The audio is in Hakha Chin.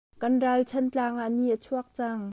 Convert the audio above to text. Kan ralchan tlang ah ni a chuak cang.